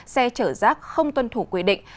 xe chở rác không tuân thủ quy định